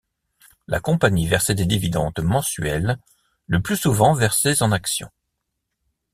La compagnie versait des dividendes mensuels, le plus souvent versés en actions.